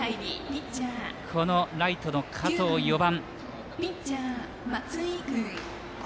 ライトの加藤、４番。